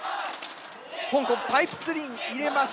香港タイプ３に入れました。